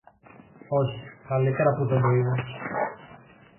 Όχι, καλύτερα που δεν το είδες!